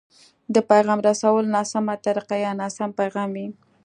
د پيغام رسولو ناسمه طريقه يا ناسم پيغام وي.